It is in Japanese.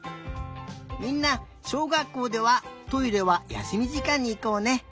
みんなしょうがっこうではトイレはやすみじかんにいこうね。